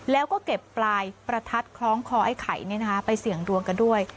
แล้วก็เก็บปลายประทัดคล้องคอไอ้ไข่ไปเสี่ยงดวงกันด้วย